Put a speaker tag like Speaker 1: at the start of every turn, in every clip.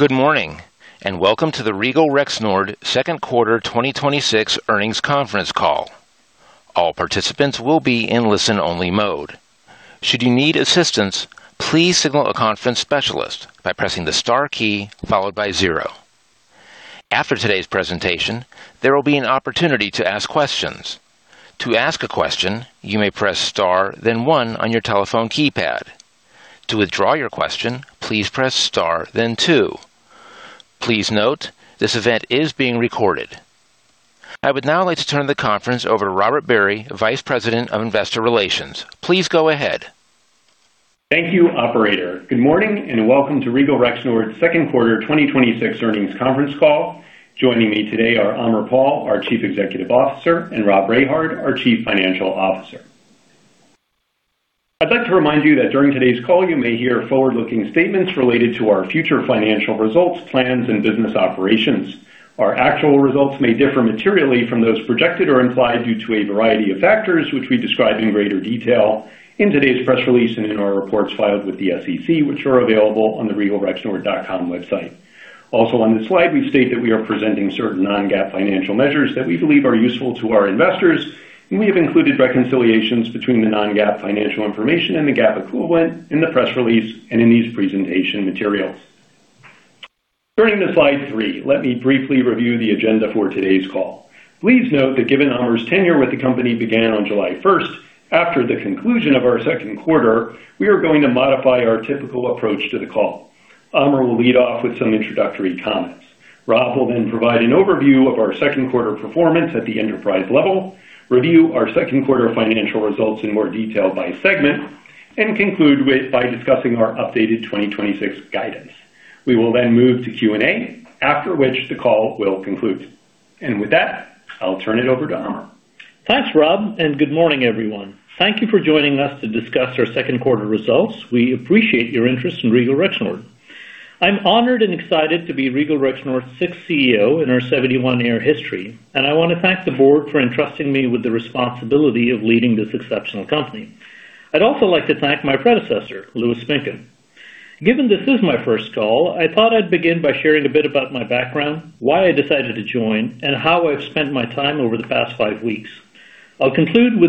Speaker 1: Good morning, and welcome to the Regal Rexnord second quarter 2026 earnings conference call. All participants will be in listen-only mode. Should you need assistance, please signal a conference specialist by pressing the star key followed by zero. After today's presentation, there will be an opportunity to ask questions. To ask a question, you may press star then one on your telephone keypad. To withdraw your question, please press star then two. Please note, this event is being recorded. I would now like to turn the conference over to Robert Barry, Vice President of Investor Relations. Please go ahead.
Speaker 2: Thank you, operator. Good morning, and welcome to Regal Rexnord's second quarter 2026 earnings conference call. Joining me today are Aamir Paul, our Chief Executive Officer, and Rob Rehard, our Chief Financial Officer. I'd like to remind you that during today's call, you may hear forward-looking statements related to our future financial results, plans, and business operations. Our actual results may differ materially from those projected or implied due to a variety of factors, which we describe in greater detail in today's press release and in our reports filed with the SEC, which are available on the regalrexnord.com website. Also on this slide, we state that we are presenting certain non-GAAP financial measures that we believe are useful to our investors, and we have included reconciliations between the non-GAAP financial information and the GAAP equivalent in the press release and in these presentation materials. Turning to slide three, let me briefly review the agenda for today's call. Please note that given Aamir's tenure with the company began on July 1st, after the conclusion of our second quarter, we are going to modify our typical approach to the call. Aamir will lead off with some introductory comments. Rob will then provide an overview of our second quarter performance at the enterprise level, review our second quarter financial results in more detail by segment, and conclude by discussing our updated 2026 guidance. We will then move to Q&A, after which the call will conclude. With that, I'll turn it over to Aamir.
Speaker 3: Thanks, Rob, and good morning, everyone. Thank you for joining us to discuss our second quarter results. We appreciate your interest in Regal Rexnord. I'm honored and excited to be Regal Rexnord's sixth CEO in our 71-year history, and I want to thank the board for entrusting me with the responsibility of leading this exceptional company. I'd also like to thank my predecessor, Louis Pinkham. Given this is my first call, I thought I'd begin by sharing a bit about my background, why I decided to join, and how I've spent my time over the past five weeks. Starting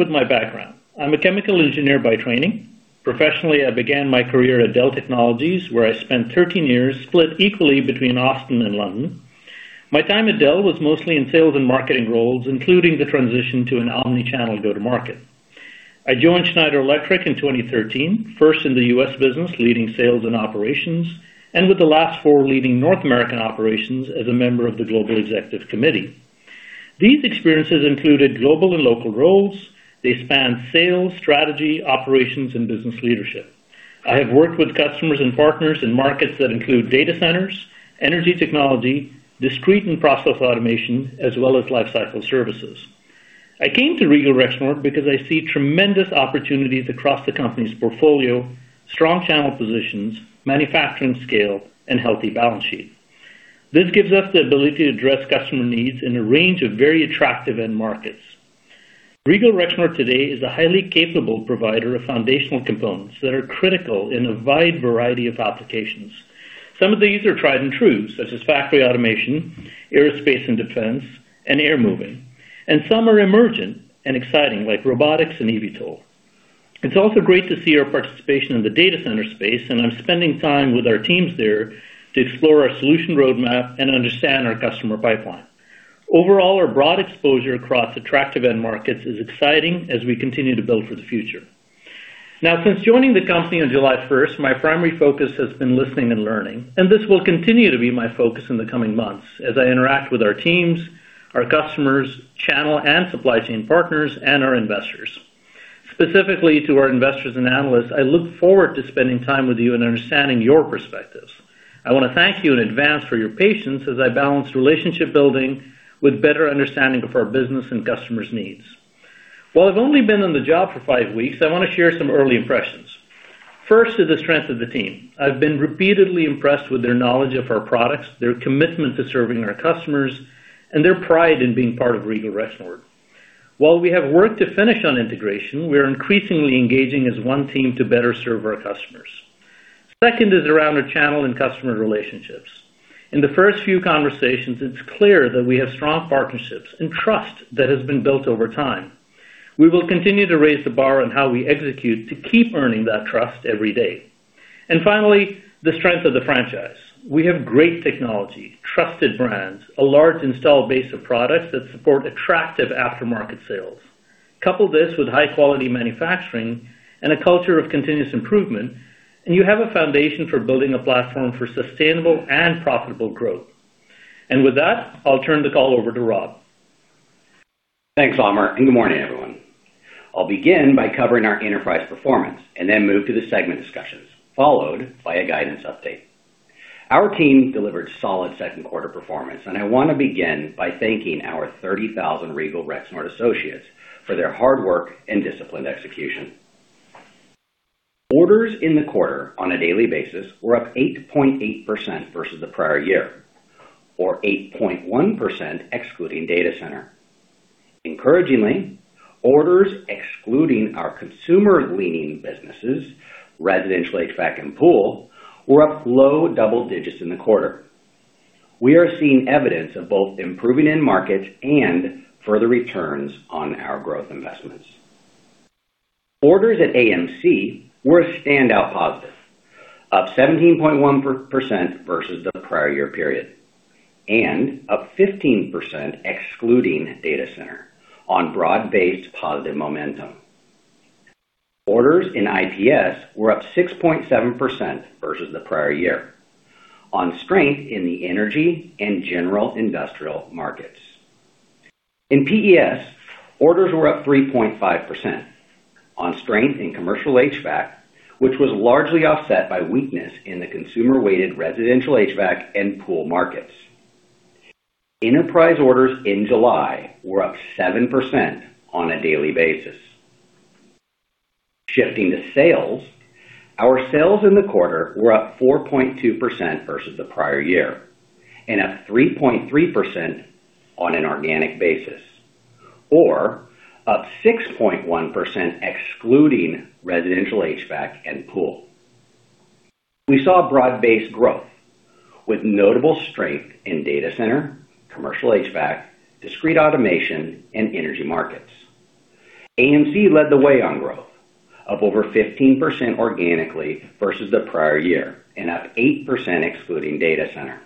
Speaker 3: with my background, I'm a chemical engineer by training. Professionally, I began my career at Dell Technologies, where I spent 13 years split equally between Austin and London. My time at Dell was mostly in sales and marketing roles, including the transition to an omni-channel go-to-market. I joined Schneider Electric in 2013, first in the U.S. business leading sales and operations, and with the last four leading North American operations as a member of the global Executive Committee. These experiences included global and local roles. They span sales, strategy, operations, and business leadership. I have worked with customers and partners in markets that include data centers, energy technology, discrete and process automation, as well as lifecycle services. I came to Regal Rexnord because I see tremendous opportunities across the company's portfolio, strong channel positions, manufacturing scale, and healthy balance sheet. This gives us the ability to address customer needs in a range of very attractive end markets. Regal Rexnord today is a highly capable provider of foundational components that are critical in a wide variety of applications. Some of these are tried and true, such as factory automation, aerospace and defense, and air moving. Some are emergent and exciting, like robotics and eVTOL. It's also great to see our participation in the data center space. I'm spending time with our teams there to explore our solution roadmap and understand our customer pipeline. Overall, our broad exposure across attractive end markets is exciting as we continue to build for the future. Since joining the company on July 1st, my primary focus has been listening and learning. This will continue to be my focus in the coming months as I interact with our teams, our customers, channel and supply chain partners, and our investors. Specifically to our investors and analysts, I look forward to spending time with you and understanding your perspectives. I want to thank you in advance for your patience as I balance relationship building with better understanding of our business and customers' needs. While I've only been on the job for five weeks, I want to share some early impressions. First is the strength of the team. I've been repeatedly impressed with their knowledge of our products, their commitment to serving our customers, and their pride in being part of Regal Rexnord. While we have work to finish on integration, we are increasingly engaging as one team to better serve our customers. Second is around our channel and customer relationships. In the first few conversations, it's clear that we have strong partnerships and trust that has been built over time. We will continue to raise the bar on how we execute to keep earning that trust every day. Finally, the strength of the franchise. We have great technology, trusted brands, a large installed base of products that support attractive aftermarket sales. Couple this with high-quality manufacturing and a culture of continuous improvement, you have a foundation for building a platform for sustainable and profitable growth. With that, I'll turn the call over to Rob.
Speaker 4: Thanks, Aamir, good morning, everyone. I'll begin by covering our enterprise performance then move to the segment discussions, followed by a guidance update. Our team delivered solid second quarter performance. I want to begin by thanking our 30,000 Regal Rexnord associates for their hard work and disciplined execution. Orders in the quarter on a daily basis were up 8.8% versus the prior year, or 8.1% excluding data center. Encouragingly, orders excluding our consumer-leaning businesses, residential HVAC and pool, were up low double digits in the quarter. We are seeing evidence of both improving end markets further returns on our growth investments. Orders at AMC were a standout positive, up 17.1% versus the prior year period, up 15% excluding data center, on broad-based positive momentum. Orders in IPS were up 6.7% versus the prior year, on strength in the energy and general industrial markets. In PES, orders were up 3.5% on strength in commercial HVAC, largely offset by weakness in the consumer-weighted residential HVAC and pool markets. Enterprise orders in July were up 7% on a daily basis. Shifting to sales, our sales in the quarter were up 4.2% versus the prior year, up 3.3% on an organic basis, up 6.1% excluding residential HVAC and pool. We saw broad-based growth with notable strength in data center, commercial HVAC, discrete automation, energy markets. AMC led the way on growth, up over 15% organically versus the prior year, up 8% excluding data center.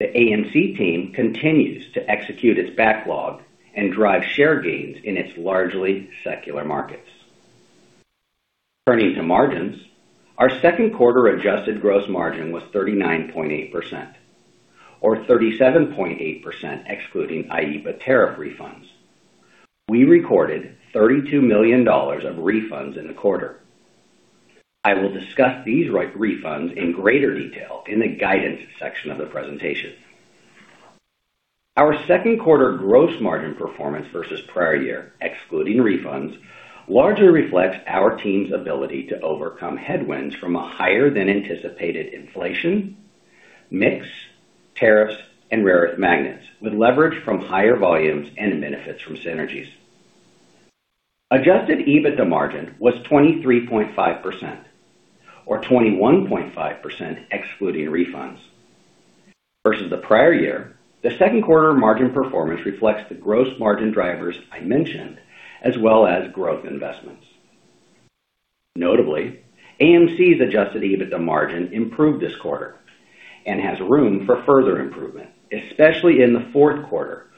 Speaker 4: The AMC team continues to execute its backlog and drive share gains in its largely secular markets. Turning to margins, our second quarter adjusted gross margin was 39.8%, 37.8% excluding IEEPA tariff refunds. We recorded $32 million of refunds in the quarter. I will discuss these refunds in greater detail in the guidance section of the presentation. Our second quarter gross margin performance versus prior year, excluding refunds, largely reflects our team's ability to overcome headwinds from a higher-than-anticipated inflation, mix, tariffs, rare earth magnets with leverage from higher volumes benefits from synergies. Adjusted EBITDA margin was 23.5% or 21.5% excluding refunds. Versus the prior year, the second quarter margin performance reflects the gross margin drivers I mentioned, as well as growth investments. Notably, AMC's adjusted EBITDA margin improved this quarter has room for further improvement, especially in the fourth quarter,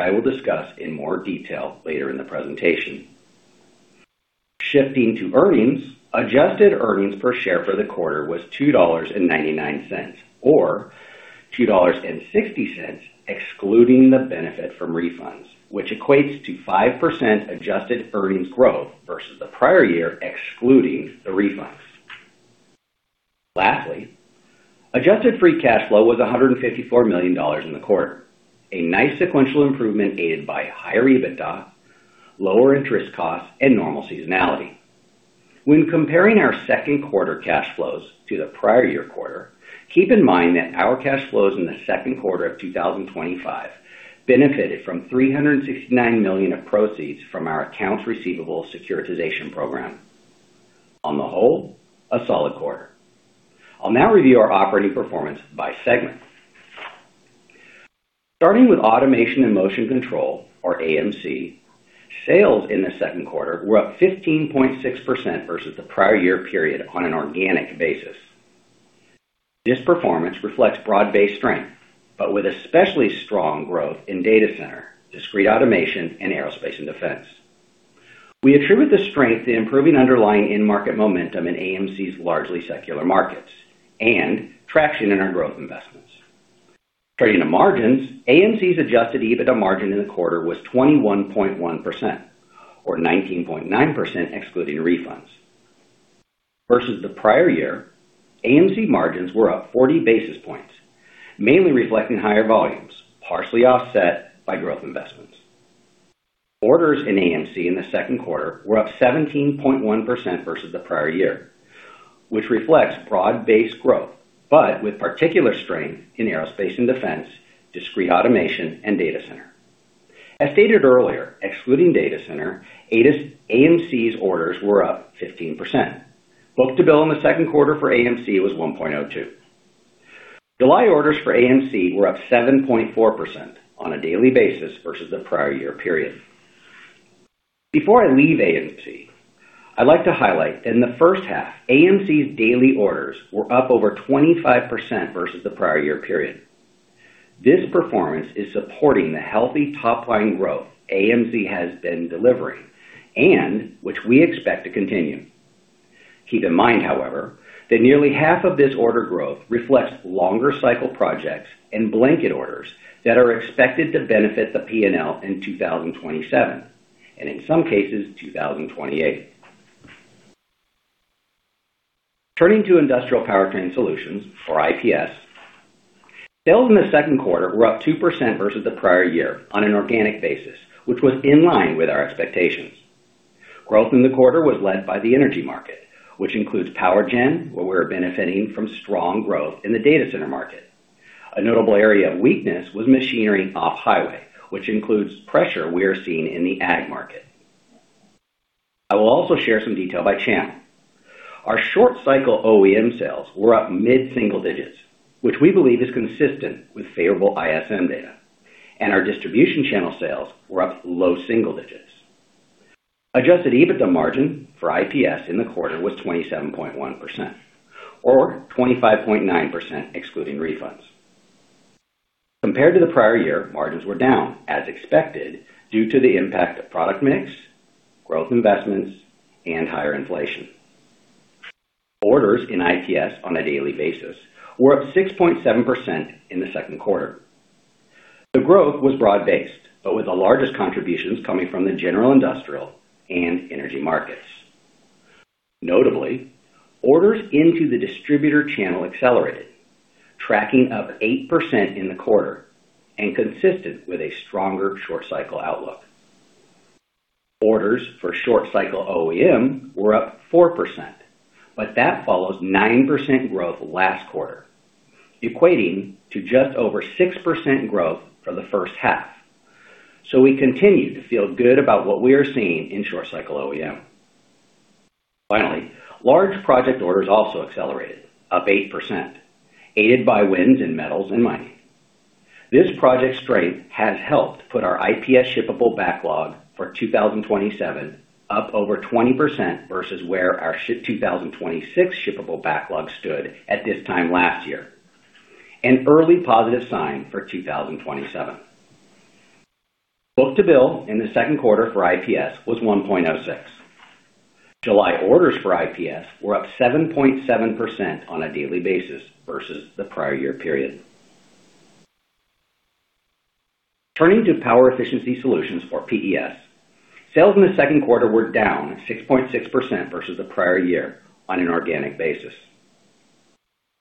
Speaker 4: I will discuss in more detail later in the presentation. Shifting to earnings, adjusted earnings per share for the quarter was $2.99 or $2.60 excluding the benefit from refunds, equates to 5% adjusted earnings growth versus the prior year, excluding the refunds. Lastly, adjusted free cash flow was $154 million in the quarter, a nice sequential improvement aided by higher EBITDA, lower interest costs, normal seasonality. When comparing our second quarter cash flows to the prior year quarter, keep in mind that our cash flows in the second quarter of 2025 benefited from $369 million of proceeds from our accounts receivable securitization program. On the whole, a solid quarter. I will now review our operating performance by segment. Starting with Automation & Motion Control, or AMC, sales in the second quarter were up 15.6% versus the prior year period on an organic basis. This performance reflects broad-based strength, but with especially strong growth in data center, discrete automation, and aerospace and defense. We attribute the strength to improving underlying end market momentum in AMC's largely secular markets and traction in our growth investments. Turning to margins, AMC's adjusted EBITDA margin in the quarter was 21.1%, or 19.9% excluding refunds. Versus the prior year, AMC margins were up 40 basis points, mainly reflecting higher volumes, partially offset by growth investments. Orders in AMC in the second quarter were up 17.1% versus the prior year, which reflects broad-based growth, but with particular strength in aerospace and defense, discrete automation, and data center. As stated earlier, excluding data center, AMC's orders were up 15%. Book-to-bill in the second quarter for AMC was 1.02. July orders for AMC were up 7.4% on a daily basis versus the prior year period. Before I leave AMC, I would like to highlight in the first half, AMC's daily orders were up over 25% versus the prior year period. This performance is supporting the healthy top-line growth AMC has been delivering and which we expect to continue. Keep in mind, however, that nearly half of this order growth reflects longer cycle projects and blanket orders that are expected to benefit the P&L in 2027, and in some cases, 2028. Turning to Industrial Powertrain Solutions, or IPS, sales in the second quarter were up 2% versus the prior year on an organic basis, which was in line with our expectations. Growth in the quarter was led by the energy market, which includes power gen, where we are benefiting from strong growth in the data center market. A notable area of weakness was machinery off-highway, which includes pressure we are seeing in the ag market. I will also share some detail by channel. Our short cycle OEM sales were up mid-single digits, which we believe is consistent with favorable ISM data, and our distribution channel sales were up low single digits. Adjusted EBITDA margin for IPS in the quarter was 27.1%, or 25.9% excluding refunds. Compared to the prior year, margins were down, as expected, due to the impact of product mix, growth investments, and higher inflation. Orders in IPS on a daily basis were up 6.7% in the second quarter. The growth was broad-based, but with the largest contributions coming from the general industrial and energy markets. Notably, orders into the distributor channel accelerated, tracking up 8% in the quarter and consistent with a stronger short cycle outlook. Orders for short cycle OEM were up 4%, but that follows 9% growth last quarter, equating to just over 6% growth for the first half. We continue to feel good about what we are seeing in short cycle OEM. Finally, large project orders also accelerated, up 8%, aided by wins in metals and mining. This project strength has helped put our IPS shippable backlog for 2027 up over 20% versus where our 2026 shippable backlog stood at this time last year, an early positive sign for 2027. Book-to-bill in the second quarter for IPS was 1.06. July orders for IPS were up 7.7% on a daily basis versus the prior year period. Turning to Power Efficiency Solutions, or PES, sales in the second quarter were down 6.6% versus the prior year on an organic basis.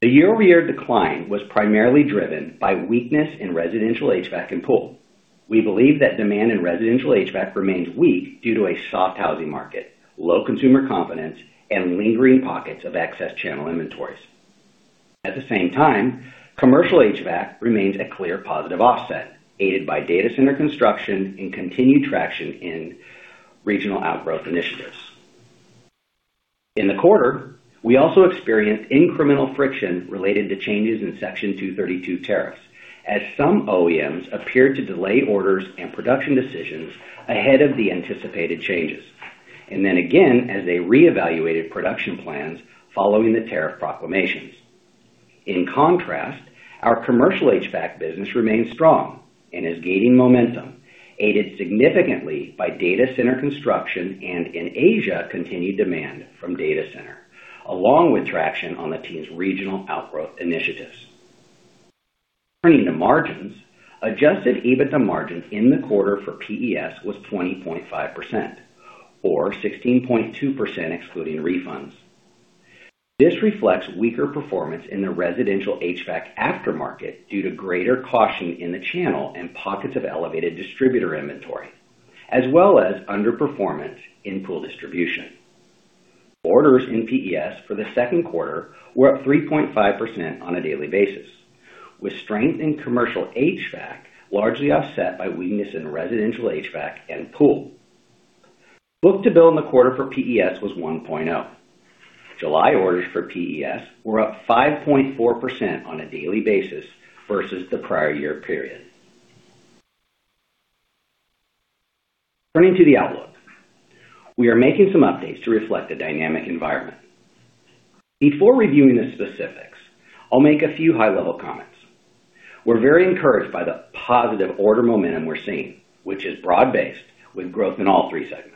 Speaker 4: The year-over-year decline was primarily driven by weakness in residential HVAC and pool. We believe that demand in residential HVAC remains weak due to a soft housing market, low consumer confidence, and lingering pockets of excess channel inventories. At the same time, commercial HVAC remains a clear positive offset, aided by data center construction and continued traction in regional outgrowth initiatives. In the quarter, we also experienced incremental friction related to changes in Section 232 tariffs, as some OEMs appeared to delay orders and production decisions ahead of the anticipated changes, and then again as they reevaluated production plans following the tariff proclamations. In contrast, our commercial HVAC business remains strong and is gaining momentum, aided significantly by data center construction and, in Asia, continued demand from data center, along with traction on the team's regional outgrowth initiatives. Turning to margins, adjusted EBITDA margin in the quarter for PES was 20.5%, or 16.2% excluding refunds. This reflects weaker performance in the residential HVAC aftermarket due to greater caution in the channel and pockets of elevated distributor inventory, as well as underperformance in pool distribution. Orders in PES for the second quarter were up 3.5% on a daily basis, with strength in commercial HVAC largely offset by weakness in residential HVAC and pool. Book-to-bill in the quarter for PES was 1.0. July orders for PES were up 5.4% on a daily basis versus the prior year period. Turning to the outlook. We are making some updates to reflect the dynamic environment. Before reviewing the specifics, I'll make a few high-level comments. We're very encouraged by the positive order momentum we're seeing, which is broad-based with growth in all three segments.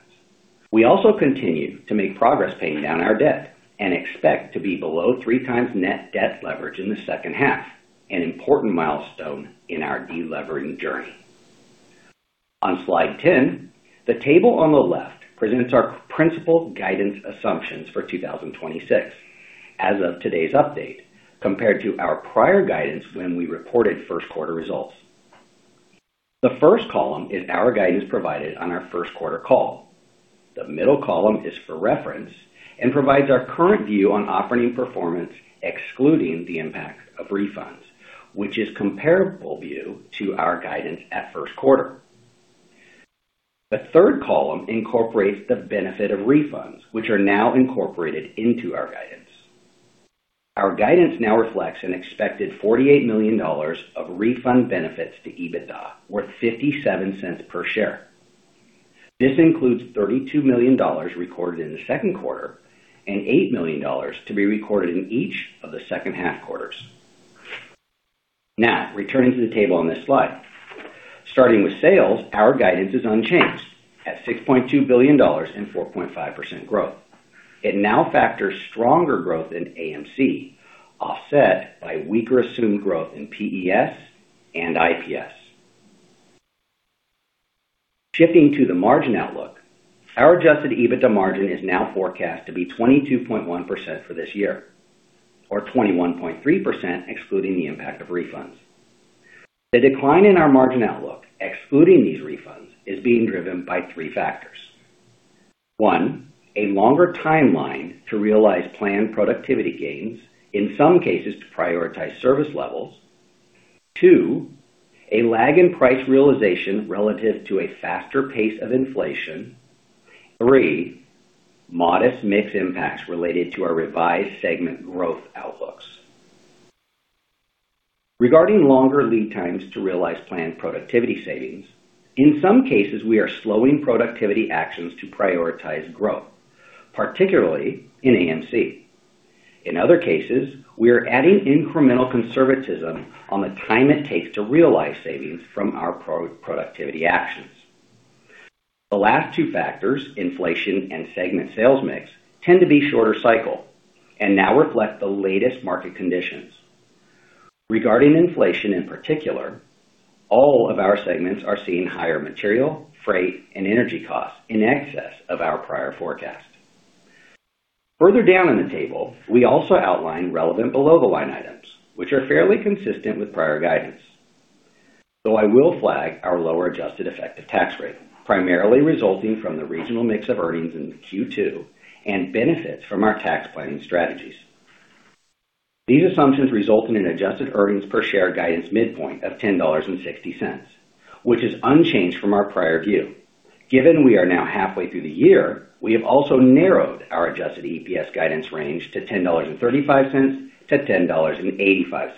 Speaker 4: We also continue to make progress paying down our debt and expect to be below 3x net debt leverage in the second half, an important milestone in our de-levering journey. On slide 10, the table on the left presents our principal guidance assumptions for 2026 as of today's update compared to our prior guidance when we reported first quarter results. The first column is our guidance provided on our first quarter call. The middle column is for reference and provides our current view on operating performance excluding the impact of refunds, which is comparable view to our guidance at first quarter. The third column incorporates the benefit of refunds, which are now incorporated into our guidance. Our guidance now reflects an expected $48 million of refund benefits to EBITDA, or $0.57 per share. This includes $32 million recorded in the second quarter and $8 million to be recorded in each of the second half quarters. Now, returning to the table on this slide. Starting with sales, our guidance is unchanged at $6.2 billion in 4.5% growth. It now factors stronger growth in AMC, offset by weaker assumed growth in PES and IPS. Shifting to the margin outlook, our adjusted EBITDA margin is now forecast to be 22.1% for this year, or 21.3% excluding the impact of refunds. The decline in our margin outlook, excluding these refunds, is being driven by three factors. One, a longer timeline to realize planned productivity gains, in some cases to prioritize service levels. Two, a lag in price realization relative to a faster pace of inflation. Three, modest mix impacts related to our revised segment growth outlooks. Regarding longer lead times to realize planned productivity savings, in some cases, we are slowing productivity actions to prioritize growth, particularly in AMC. In other cases, we are adding incremental conservatism on the time it takes to realize savings from our productivity actions. The last two factors, inflation and segment sales mix, tend to be shorter cycle and now reflect the latest market conditions. Regarding inflation, in particular, all of our segments are seeing higher material, freight, and energy costs in excess of our prior forecast. Further down in the table, we also outlined relevant below-the-line items, which are fairly consistent with prior guidance. I will flag our lower adjusted effective tax rate, primarily resulting from the regional mix of earnings in Q2 and benefits from our tax planning strategies. These assumptions result in an adjusted earnings per share guidance midpoint of $10.60, which is unchanged from our prior view. Given we are now halfway through the year, we have also narrowed our adjusted EPS guidance range to $10.35-$10.85.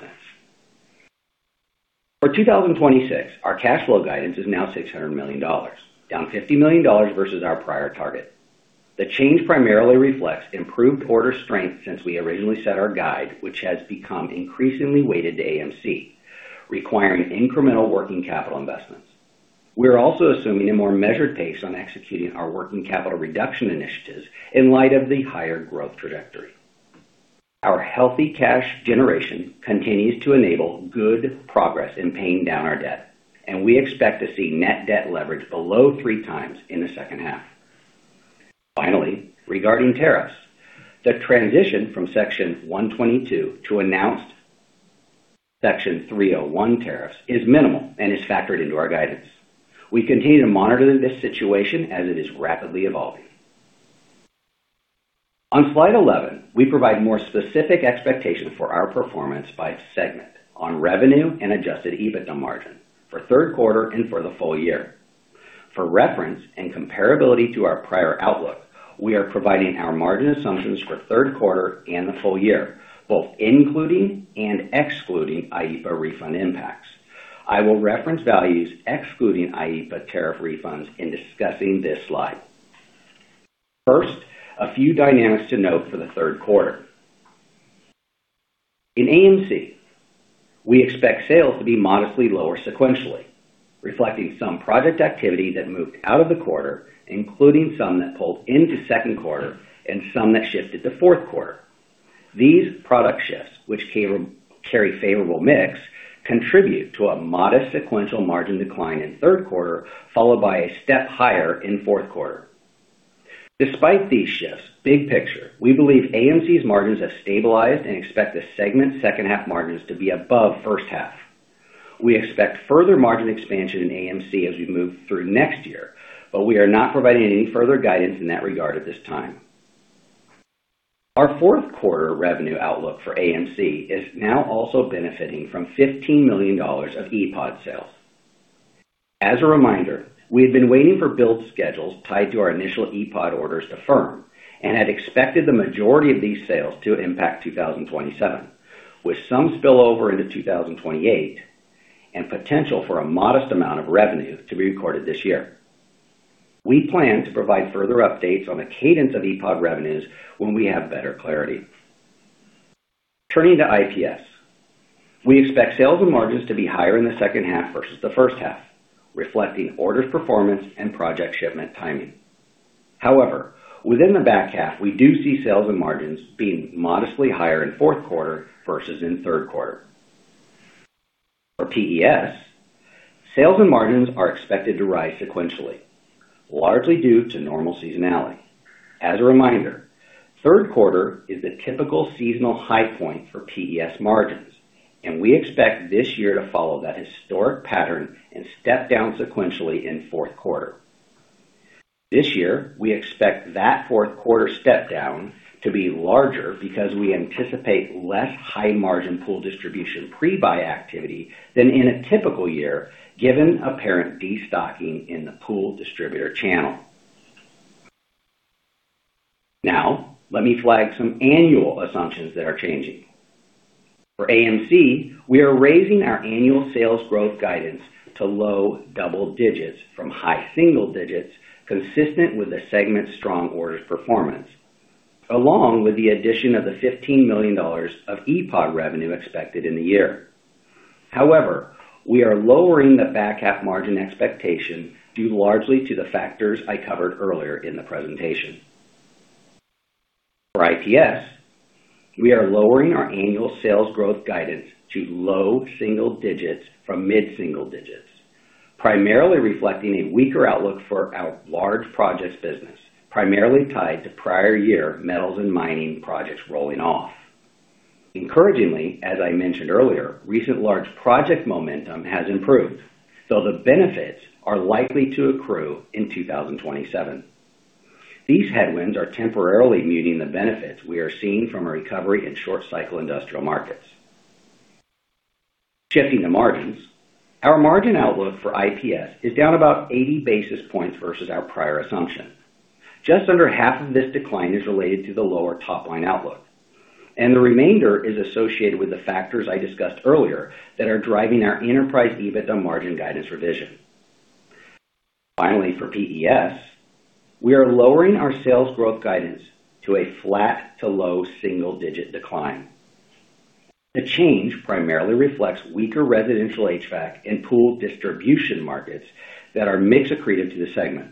Speaker 4: For 2026, our cash flow guidance is now $600 million, down $50 million versus our prior target. The change primarily reflects improved quarter strength since we originally set our guide, which has become increasingly weighted to AMC, requiring incremental working capital investments. We are also assuming a more measured pace on executing our working capital reduction initiatives in light of the higher growth trajectory. Our healthy cash generation continues to enable good progress in paying down our debt, and we expect to see net debt leverage below three times in the second half. Finally, regarding tariffs, the transition from Section 122 to announced Section 301 tariffs is minimal and is factored into our guidance. We continue to monitor this situation as it is rapidly evolving. On slide 11, we provide more specific expectations for our performance by segment on revenue and adjusted EBITDA margin for third quarter and for the full year. For reference and comparability to our prior outlook, we are providing our margin assumptions for third quarter and the full year, both including and excluding IEEPA refund impacts. I will reference values excluding IEEPA tariff refunds in discussing this slide. First, a few dynamics to note for the third quarter. In AMC, we expect sales to be modestly lower sequentially, reflecting some project activity that moved out of the quarter, including some that pulled into second quarter and some that shifted to fourth quarter. These product shifts, which carry favorable mix, contribute to a modest sequential margin decline in third quarter, followed by a step higher in fourth quarter. Despite these shifts, big picture, we believe AMC's margins have stabilized and expect the segment's second half margins to be above first half. We expect further margin expansion in AMC as we move through next year, but we are not providing any further guidance in that regard at this time. Our fourth quarter revenue outlook for AMC is now also benefiting from $15 million of ePOD sales. As a reminder, we have been waiting for build schedules tied to our initial ePOD orders to firm and had expected the majority of these sales to impact 2027, with some spillover into 2028, and potential for a modest amount of revenue to be recorded this year. We plan to provide further updates on the cadence of ePOD revenues when we have better clarity. Turning to IPS, we expect sales and margins to be higher in the second half versus the first half, reflecting orders performance and project shipment timing. However, within the back half, we do see sales and margins being modestly higher in fourth quarter versus in third quarter. For PES, sales and margins are expected to rise sequentially, largely due to normal seasonality. As a reminder, third quarter is the typical seasonal high point for PES margins, and we expect this year to follow that historic pattern and step down sequentially in fourth quarter. This year, we expect that fourth quarter step-down to be larger because we anticipate less high-margin pool distribution pre-buy activity than in a typical year, given apparent destocking in the pool distributor channel. Now, let me flag some annual assumptions that are changing. For AMC, we are raising our annual sales growth guidance to low double digits from high single digits, consistent with the segment's strong orders performance, along with the addition of the $15 million of ePOD revenue expected in the year. However, we are lowering the back half margin expectation due largely to the factors I covered earlier in the presentation. For IPS, we are lowering our annual sales growth guidance to low single digits from mid-single digits. Primarily reflecting a weaker outlook for our large projects business, primarily tied to prior year metals and mining projects rolling off. Encouragingly, as I mentioned earlier, recent large project momentum has improved, though the benefits are likely to accrue in 2027. These headwinds are temporarily muting the benefits we are seeing from a recovery in short cycle industrial markets. Shifting to margins. Our margin outlook for IPS is down about 80 basis points versus our prior assumption. Just under half of this decline is related to the lower top-line outlook, and the remainder is associated with the factors I discussed earlier that are driving our enterprise EBITDA margin guidance revision. Finally, for PES, we are lowering our sales growth guidance to a flat to low single-digit decline. The change primarily reflects weaker residential HVAC and pool distribution markets that are mix accretive to the segment,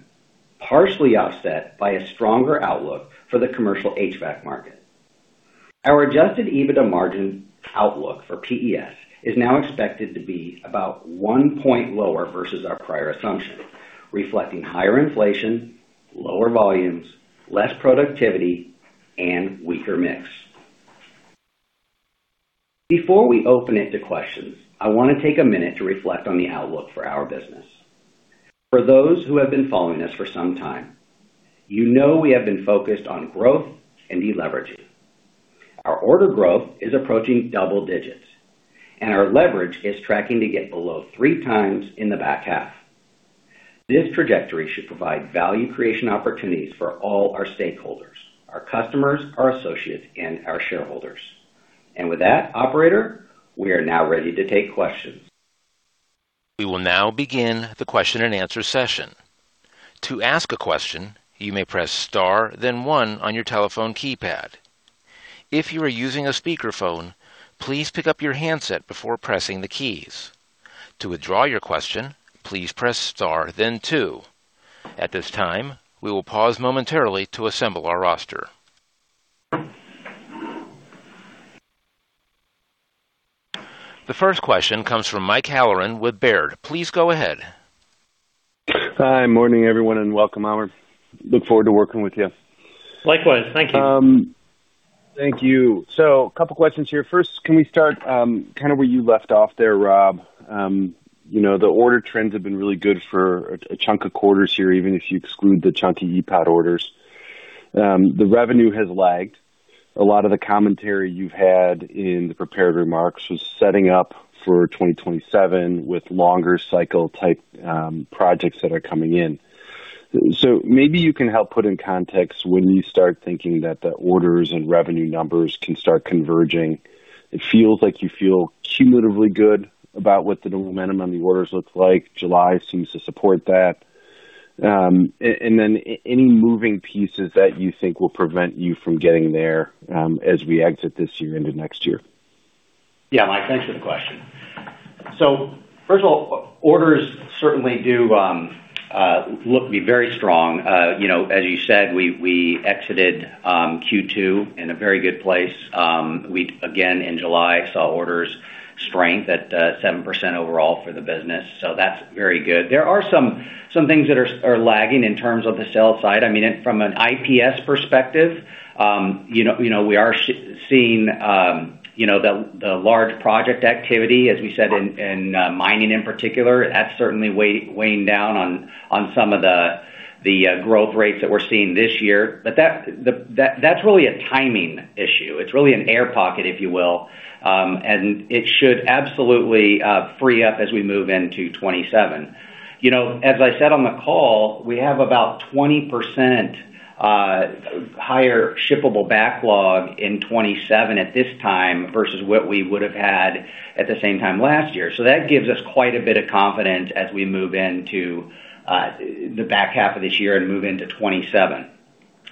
Speaker 4: partially offset by a stronger outlook for the commercial HVAC market. Our adjusted EBITDA margin outlook for PES is now expected to be about one point lower versus our prior assumption, reflecting higher inflation, lower volumes, less productivity, and weaker mix. Before we open it to questions, I want to take a minute to reflect on the outlook for our business. For those who have been following us for some time, you know we have been focused on growth and deleveraging. Our order growth is approaching double digits, and our leverage is tracking to get below three times in the back half. This trajectory should provide value creation opportunities for all our stakeholders: our customers, our associates, and our shareholders. With that, operator, we are now ready to take questions.
Speaker 1: We will now begin the question and answer session. To ask a question, you may press star then one on your telephone keypad. If you are using a speakerphone, please pick up your handset before pressing the keys. To withdraw your question, please press star then two. At this time, we will pause momentarily to assemble our roster. The first question comes from Mike Halloran with Baird. Please go ahead.
Speaker 5: Hi, morning everyone, and welcome Aamir. I look forward to working with you.
Speaker 3: Likewise. Thank you.
Speaker 5: Thank you. A couple questions here. First, can we start where you left off there, Rob? The order trends have been really good for a chunk of quarters here, even if you exclude the chunky ePOD orders. The revenue has lagged. A lot of the commentary you've had in the prepared remarks was setting up for 2027 with longer cycle type projects that are coming in. Maybe you can help put in context when you start thinking that the orders and revenue numbers can start converging. It feels like you feel cumulatively good about what the momentum on the orders looks like. July seems to support that. Then any moving pieces that you think will prevent you from getting there as we exit this year into next year?
Speaker 4: Mike, thanks for the question. First of all, orders certainly do look to be very strong. As you said, we exited Q2 in a very good place. We again in July saw orders strength at 7% overall for the business. That's very good. There are some things that are lagging in terms of the sell side. From an IPS perspective, we are seeing the large project activity, as we said in mining in particular. That's certainly weighing down on some of the growth rates that we're seeing this year. That's really a timing issue. It's really an air pocket, if you will. It should absolutely free up as we move into 2027. As I said on the call, we have about 20% higher shippable backlog in 2027 at this time versus what we would have had at the same time last year. That gives us quite a bit of confidence as we move into the back half of this year and move into 2027.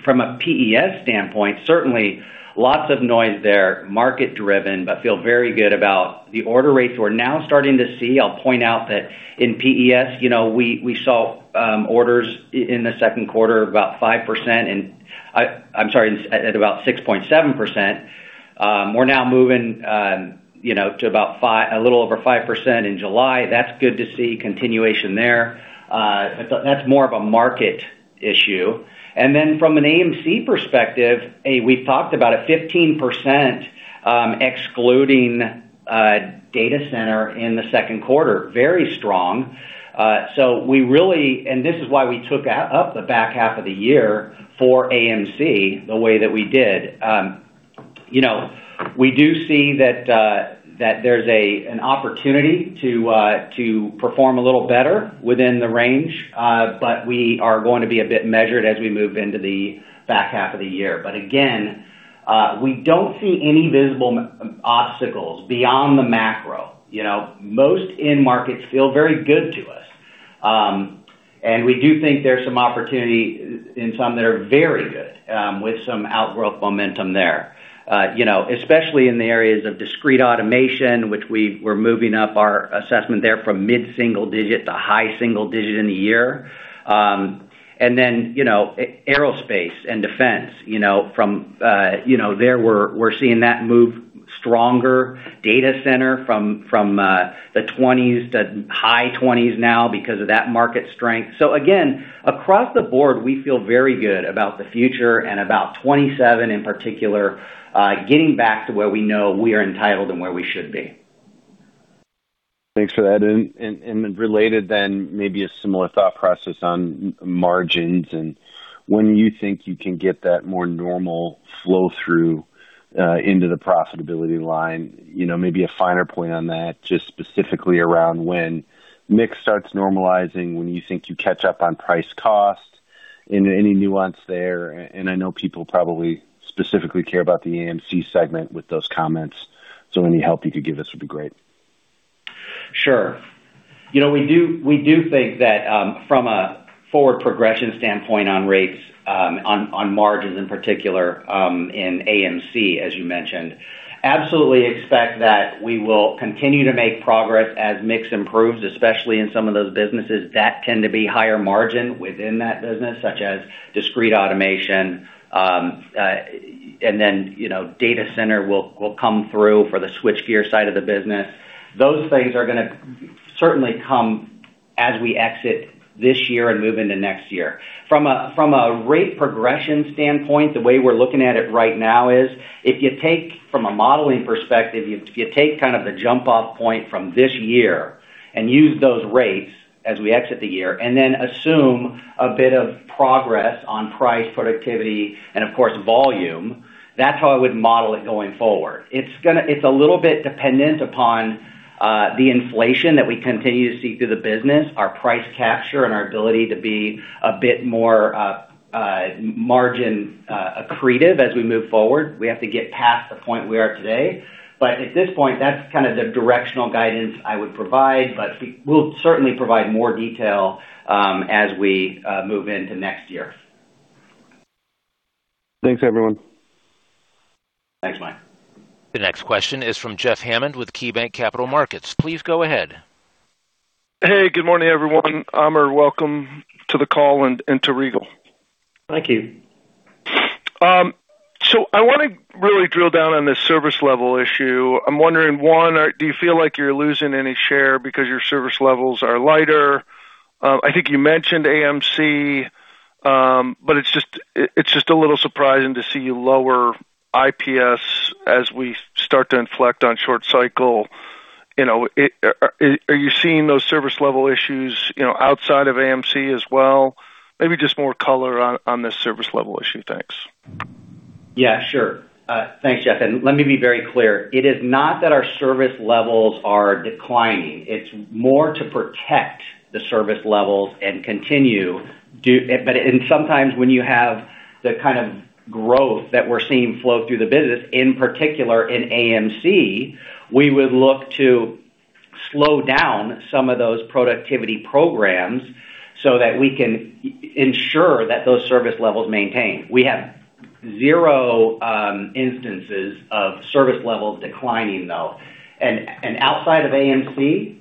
Speaker 4: From a PES standpoint, certainly lots of noise there, market driven, feel very good about the order rates we're now starting to see. I'll point out that in PES, we saw orders in the second quarter of about 5%, and I'm sorry, at about 6.7%. We're now moving to a little over 5% in July. That's good to see continuation there. That's more of a market issue. From an AMC perspective, we talked about a 15% excluding data center in the second quarter. Very strong. This is why we took up the back half of the year for AMC the way that we did. We do see that there's an opportunity to perform a little better within the range, we are going to be a bit measured as we move into the back half of the year. Again, we don't see any visible obstacles beyond the macro. Most end markets feel very good to us. We do think there's some opportunity in some that are very good with some outgrowth momentum there. Especially in the areas of discrete automation, which we're moving up our assessment there from mid-single digit to high single digit in the year. Then aerospace and defense. We're seeing that move stronger data center from the high 20s now because of that market strength. Again, across the board, we feel very good about the future and about 2027 in particular, getting back to where we know we are entitled and where we should be.
Speaker 5: Thanks for that. Related then, maybe a similar thought process on margins and when you think you can get that more normal flow through into the profitability line, maybe a finer point on that, just specifically around when mix starts normalizing, when you think you catch up on price cost, and any nuance there. I know people probably specifically care about the AMC segment with those comments. Any help you could give us would be great.
Speaker 4: Sure. We do think that from a forward progression standpoint on rates, on margins in particular, in AMC, as you mentioned, absolutely expect that we will continue to make progress as mix improves, especially in some of those businesses that tend to be higher margin within that business, such as discrete automation. Data center will come through for the switchgear side of the business. Those things are going to certainly come as we exit this year and move into next year. From a rate progression standpoint, the way we're looking at it right now is, from a modeling perspective, if you take kind of the jump-off point from this year and use those rates as we exit the year, assume a bit of progress on price, productivity, and of course, volume, that's how I would model it going forward. It's a little bit dependent upon the inflation that we continue to see through the business, our price capture, and our ability to be a bit more margin accretive as we move forward. We have to get past the point we are today. At this point, that's kind of the directional guidance I would provide, we'll certainly provide more detail as we move into next year.
Speaker 5: Thanks, everyone.
Speaker 4: Thanks, Mike.
Speaker 1: The next question is from Jeff Hammond with KeyBanc Capital Markets. Please go ahead.
Speaker 6: Hey, good morning, everyone. Aamir, welcome to the call and to Regal.
Speaker 3: Thank you.
Speaker 6: I want to really drill down on this service level issue. I'm wondering, one, do you feel like you're losing any share because your service levels are lighter? I think you mentioned AMC, but it's just a little surprising to see you lower IPS as we start to inflect on short cycle. Are you seeing those service level issues outside of AMC as well? Maybe just more color on this service level issue. Thanks.
Speaker 4: Yeah, sure. Thanks, Jeff. Let me be very clear. It is not that our service levels are declining. It's more to protect the service levels and continue. Sometimes when you have the kind of growth that we're seeing flow through the business, in particular in AMC, we would look to slow down some of those productivity programs so that we can ensure that those service levels maintain. We have zero instances of service levels declining, though. Outside of AMC,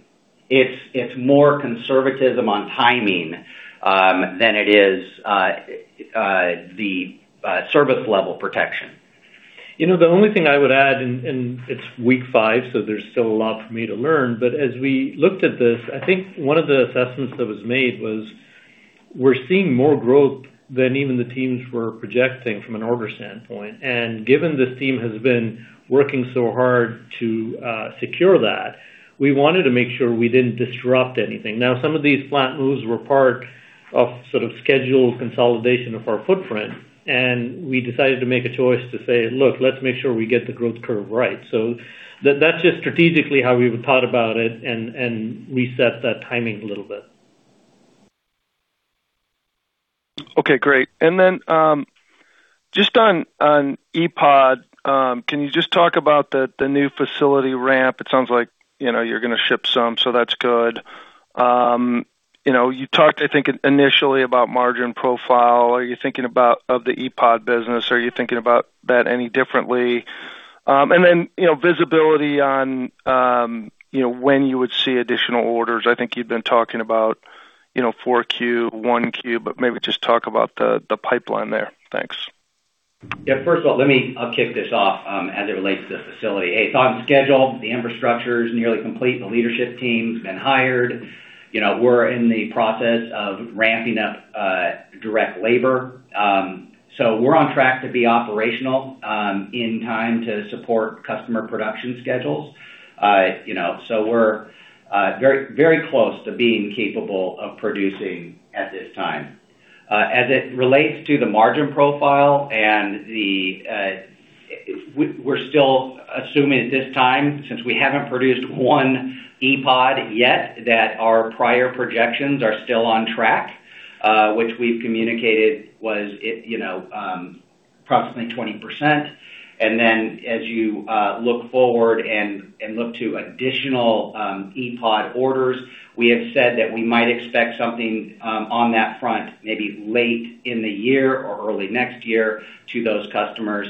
Speaker 4: it's more conservatism on timing than it is the service level protection.
Speaker 3: The only thing I would add, and it's week five, so there's still a lot for me to learn, but as we looked at this, I think one of the assessments that was made was we're seeing more growth than even the teams were projecting from an order standpoint. Given this team has been working so hard to secure that, we wanted to make sure we didn't disrupt anything. Now, some of these flat moves were part of sort of schedule consolidation of our footprint, and we decided to make a choice to say, "Look, let's make sure we get the growth curve right." That's just strategically how we thought about it and reset that timing a little bit.
Speaker 6: Okay, great. Just on ePOD, can you just talk about the new facility ramp? It sounds like you're going to ship some, so that's good. You talked, I think, initially about margin profile. Are you thinking about the ePOD business? Are you thinking about that any differently? Visibility on when you would see additional orders. I think you've been talking about 4Q, 1Q, but maybe just talk about the pipeline there. Thanks.
Speaker 4: Yeah. First of all, I'll kick this off as it relates to the facility. It's on schedule. The infrastructure is nearly complete. The leadership team's been hired. We're in the process of ramping up direct labor. We're on track to be operational in time to support customer production schedules. We're very close to being capable of producing at this time. As it relates to the margin profile, we're still assuming at this time, since we haven't produced one ePOD yet, that our prior projections are still on track, which we've communicated was approximately 20%. As you look forward and look to additional ePOD orders, we have said that we might expect something on that front maybe late in the year or early next year to those customers.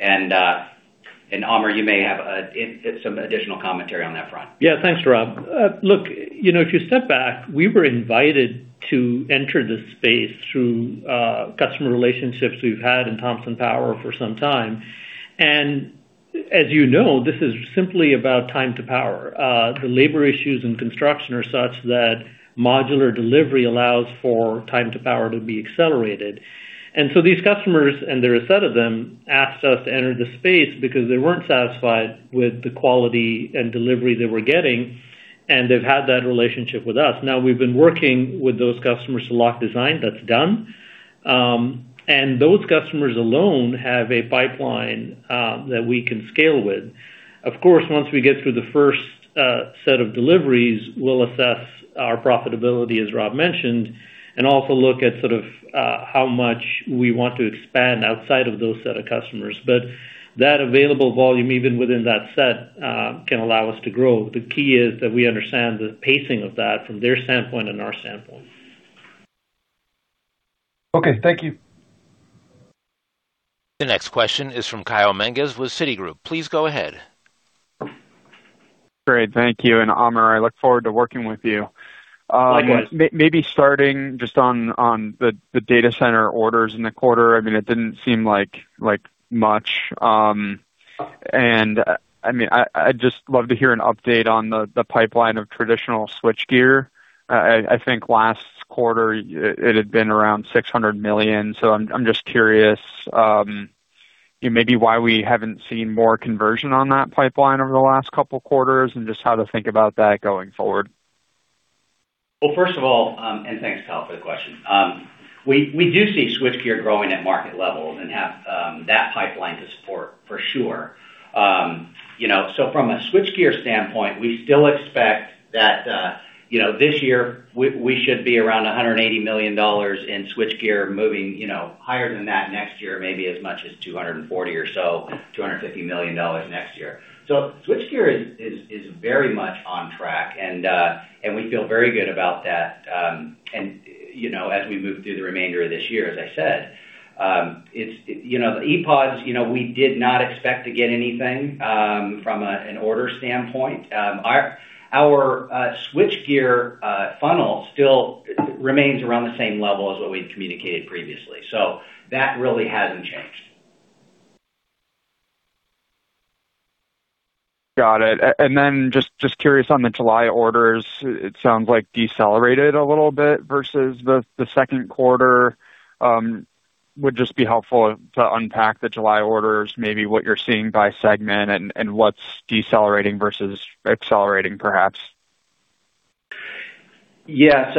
Speaker 4: Aamir, you may have some additional commentary on that front.
Speaker 3: Yeah. Thanks, Rob. If you step back, we were invited to enter this space through customer relationships we've had in Thomson Power for some time. As you know, this is simply about time to power. The labor issues in construction are such that modular delivery allows for time to power to be accelerated. These customers, and there are a set of them, asked us to enter the space because they weren't satisfied with the quality and delivery they were getting, and they've had that relationship with us. We've been working with those customers to lock design. That's done. Those customers alone have a pipeline that we can scale with. Of course, once we get through the first set of deliveries, we'll assess our profitability, as Rob mentioned, and also look at how much we want to expand outside of those set of customers. That available volume, even within that set, can allow us to grow. The key is that we understand the pacing of that from their standpoint and our standpoint.
Speaker 6: Okay. Thank you.
Speaker 1: The next question is from Kyle Menges with Citigroup. Please go ahead.
Speaker 7: Great. Thank you. Aamir, I look forward to working with you.
Speaker 3: Likewise.
Speaker 7: Maybe starting just on the data center orders in the quarter, it didn't seem like much. I'd just love to hear an update on the pipeline of traditional switchgear. I think last quarter, it had been around $600 million. I'm just curious, maybe why we haven't seen more conversion on that pipeline over the last couple of quarters, and just how to think about that going forward.
Speaker 4: Well, first of all, thanks, Kyle, for the question. We do see switchgear growing at market levels and have that pipeline to support, for sure. From a switchgear standpoint, we still expect that this year, we should be around $180 million in switchgear, moving higher than that next year, maybe as much as $240 million or so, $250 million next year. Switchgear is very much on track, and we feel very good about that as we move through the remainder of this year, as I said. The ePODs, we did not expect to get anything from an order standpoint. Our switchgear funnel still remains around the same level as what we've communicated previously. That really hasn't changed.
Speaker 7: Got it. Just curious on the July orders, it sounds like decelerated a little bit versus the second quarter. Would just be helpful to unpack the July orders, maybe what you're seeing by segment and what's decelerating versus accelerating, perhaps.
Speaker 4: Yeah.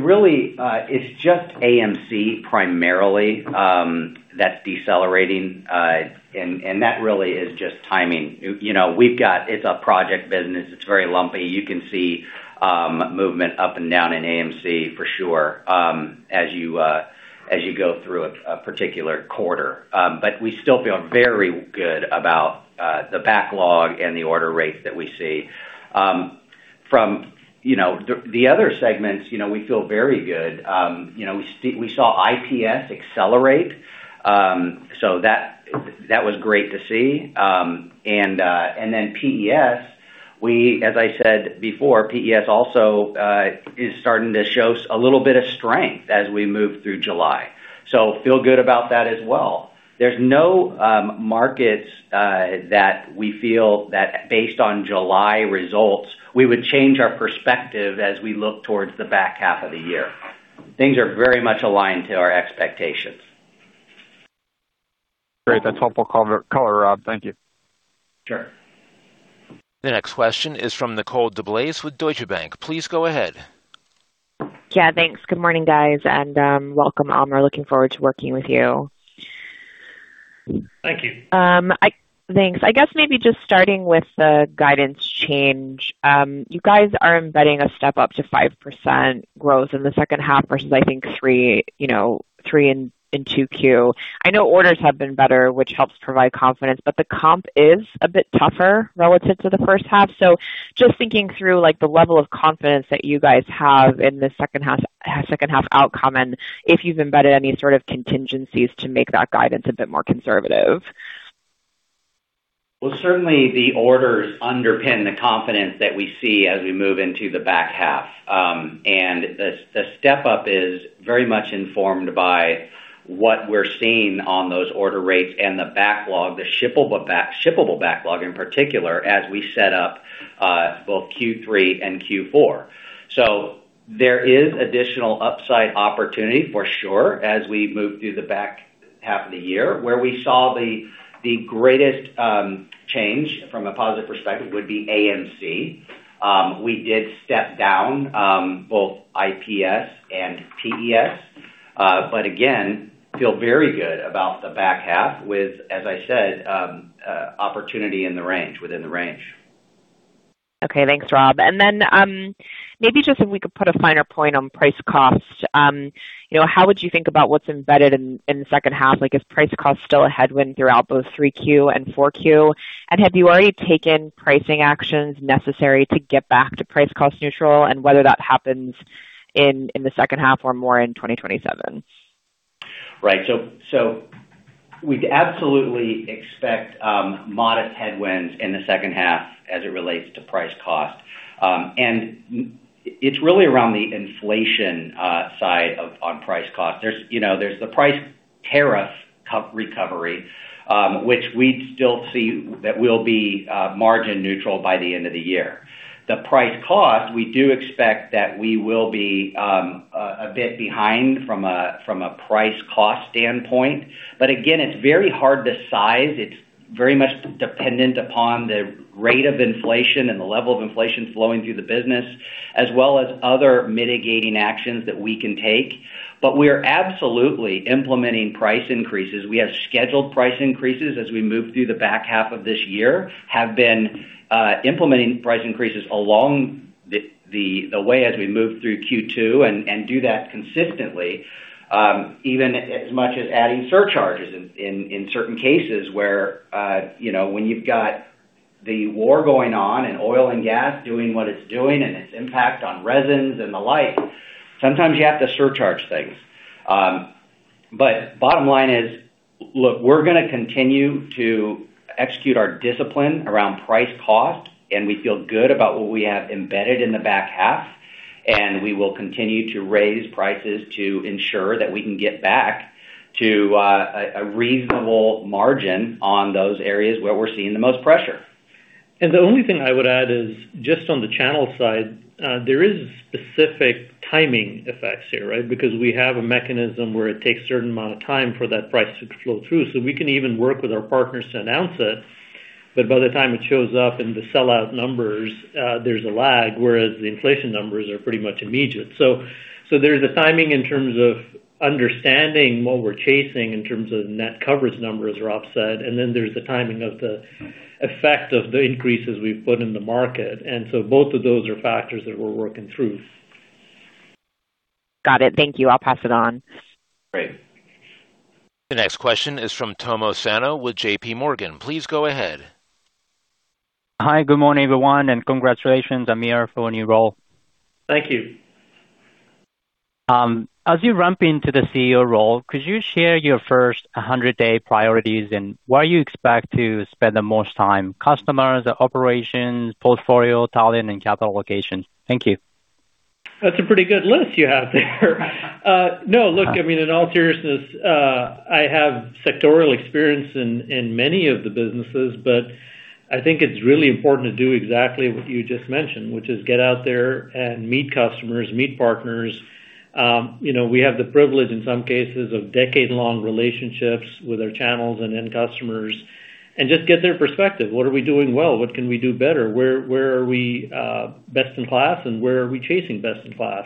Speaker 4: Really, it's just AMC primarily that's decelerating, and that really is just timing. It's a project business. It's very lumpy. You can see movement up and down in AMC for sure, as you go through a particular quarter. We still feel very good about the backlog and the order rates that we see. From the other segments, we feel very good. We saw IPS accelerate, so that was great to see. PES, as I said before, PES also is starting to show a little bit of strength as we move through July. Feel good about that as well. There's no markets that we feel that based on July results, we would change our perspective as we look towards the back half of the year. Things are very much aligned to our expectations.
Speaker 7: Great. That's helpful color, Rob. Thank you.
Speaker 4: Sure.
Speaker 1: The next question is from Nicole DeBlase with Deutsche Bank. Please go ahead.
Speaker 8: Yeah, thanks. Good morning, guys, and welcome, Aamir. Looking forward to working with you.
Speaker 3: Thank you.
Speaker 8: Thanks. I guess maybe just starting with the guidance change. You guys are embedding a step-up to 5% growth in the second half versus I think 3% in 2Q. I know orders have been better, which helps provide confidence, but the comp is a bit tougher relative to the first half. Just thinking through the level of confidence that you guys have in the second half outcome, and if you've embedded any sort of contingencies to make that guidance a bit more conservative.
Speaker 4: Well, certainly the orders underpin the confidence that we see as we move into the back half. The step-up is very much informed by what we're seeing on those order rates and the backlog, the shippable backlog in particular, as we set up both Q3 and Q4. There is additional upside opportunity for sure, as we move through the back half of the year. Where we saw the greatest change from a positive perspective would be AMC. We did step down both IPS and PES. Again, feel very good about the back half with, as I said, opportunity within the range.
Speaker 8: Okay. Thanks, Rob. Then, maybe just if we could put a finer point on price cost. How would you think about what's embedded in the second half? Is price cost still a headwind throughout both 3Q and 4Q? Have you already taken pricing actions necessary to get back to price cost neutral, and whether that happens in the second half or more in 2027?
Speaker 4: Right. We'd absolutely expect modest headwinds in the second half as it relates to price cost. It's really around the inflation side on price cost. There's the price tariff recovery, which we still see that we'll be margin neutral by the end of the year. The price cost, we do expect that we will be a bit behind from a price cost standpoint, but again, it's very hard to size. It's very much dependent upon the rate of inflation and the level of inflation flowing through the business, as well as other mitigating actions that we can take. We are absolutely implementing price increases. We have scheduled price increases as we move through the back half of this year. Have been implementing price increases along the way as we move through Q2 and do that consistently, even as much as adding surcharges in certain cases where when you've got the war going on in oil and gas, doing what it's doing and its impact on resins and the like, sometimes you have to surcharge things. Bottom line is, look, we're going to continue to execute our discipline around price cost, and we feel good about what we have embedded in the back half, and we will continue to raise prices to ensure that we can get back to a reasonable margin on those areas where we're seeing the most pressure.
Speaker 3: The only thing I would add is just on the channel side, there is specific timing effects here, right? Because we have a mechanism where it takes certain amount of time for that price to flow through. We can even work with our partners to announce it, but by the time it shows up in the sellout numbers, there's a lag, whereas the inflation numbers are pretty much immediate. There's a timing in terms of understanding what we're chasing in terms of net coverage numbers are offset, and then there's the timing of the effect of the increases we've put in the market. Both of those are factors that we're working through.
Speaker 8: Got it. Thank you. I'll pass it on.
Speaker 4: Great.
Speaker 1: The next question is from Tomo Sano with JPMorgan. Please go ahead.
Speaker 9: Hi, good morning, everyone, and congratulations, Aamir, for your new role.
Speaker 3: Thank you.
Speaker 9: As you ramp into the CEO role, could you share your first 100-day priorities and where you expect to spend the most time, customers, operations, portfolio, talent, and capital allocation? Thank you.
Speaker 3: That's a pretty good list you have there. No, look, I mean, in all seriousness, I have sectoral experience in many of the businesses, but I think it's really important to do exactly what you just mentioned, which is get out there and meet customers, meet partners. We have the privilege, in some cases, of decade-long relationships with our channels and end customers, and just get their perspective. What are we doing well? What can we do better? Where are we best in class, and where are we chasing best in class?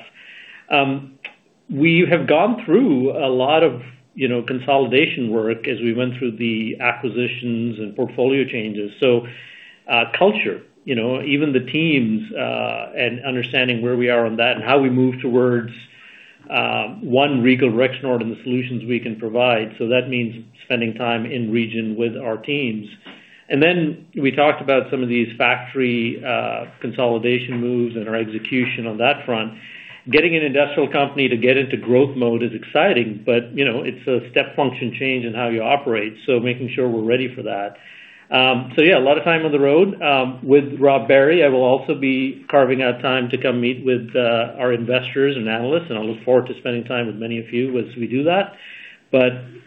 Speaker 3: We have gone through a lot of consolidation work as we went through the acquisitions and portfolio changes. Culture, even the teams, and understanding where we are on that and how we move towards one Regal Rexnord in the solutions we can provide. That means spending time in-region with our teams. We talked about some of these factory consolidation moves and our execution on that front. Getting an industrial company to get into growth mode is exciting, but it's a step function change in how you operate. Making sure we're ready for that. Yeah, a lot of time on the road. With Rob Barry, I will also be carving out time to come meet with our investors and analysts, and I look forward to spending time with many of you as we do that.